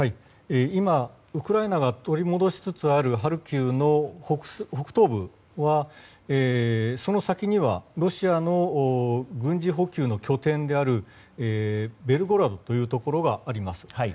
今、ウクライナが取り戻しつつあるハルキウの北東部は、その先にはロシアの軍事補給の拠点である場所があります。